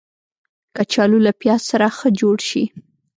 کچالو له پیاز سره ښه جوړ شي